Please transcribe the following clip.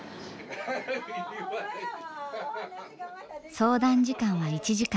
相談時間は１時間。